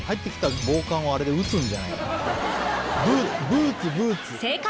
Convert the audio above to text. ブーツブーツ。